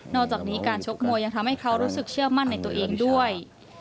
อกจากนี้การชกมวยยังทำให้เขารู้สึกเชื่อมั่นในตัวเองด้วย